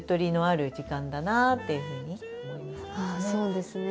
そうですね。